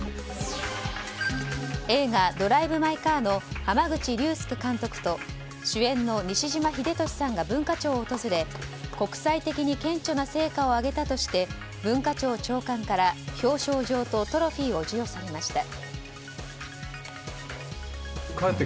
映画「ドライブ・マイ・カー」の濱口竜介監督と主演の西島秀俊さんが文化庁を訪れ国際的に顕著な成果を挙げたとして文化庁長官から表彰状とトロフィーを授与されました。